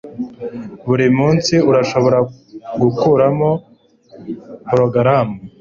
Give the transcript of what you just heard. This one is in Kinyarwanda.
Buri munsi urashobora gukuramo porogaramu